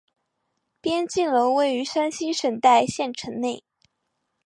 边靖楼位于山西省代县城内。